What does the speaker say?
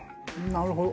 なるほど。